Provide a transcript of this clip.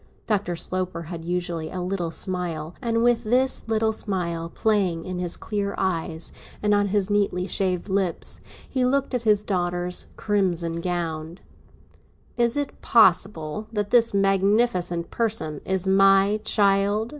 Dr. Sloper had usually a little smile, never a very big one, and with his little smile playing in his clear eyes and on his neatly shaved lips, he looked at his daughter's crimson gown. "Is it possible that this magnificent person is my child?"